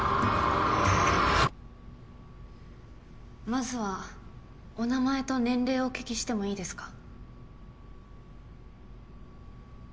まずはお名前と年齢をお聞きしてもいいですか？